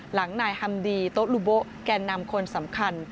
หลังนายฮัมดีโต๊ะลูโบแก่นำคนสำคัญ